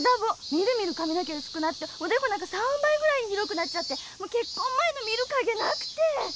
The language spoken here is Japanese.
見る見る髪の毛薄くなっておでこなんか３倍ぐらい広くなっちゃってもう結婚前の見る影なくて。